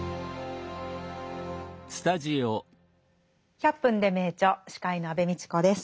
「１００分ｄｅ名著」司会の安部みちこです。